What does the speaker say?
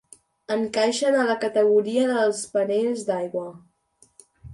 Encaixen a la categoria dels spaniels d'aigua.